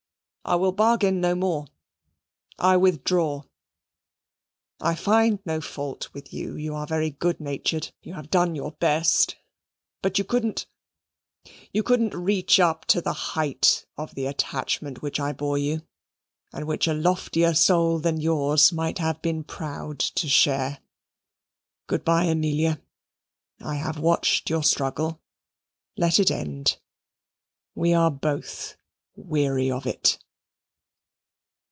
I will bargain no more: I withdraw. I find no fault with you. You are very good natured, and have done your best, but you couldn't you couldn't reach up to the height of the attachment which I bore you, and which a loftier soul than yours might have been proud to share. Good bye, Amelia! I have watched your struggle. Let it end. We are both weary of it."